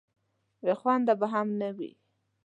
بې خونده به هم نه وي.